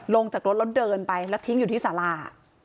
ลงจากรถแล้วเดินไปแล้วทิ้งอยู่ที่สารา